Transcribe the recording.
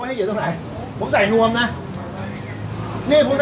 เพราะว่าตรงเนี้ยเป็นสถานที่นี่นี่ผมไม่ให้เกียรติตรงไหนผมใส่นวมนะ